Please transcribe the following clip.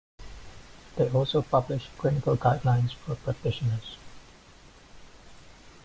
They also publish clinical guidelines for practitioners.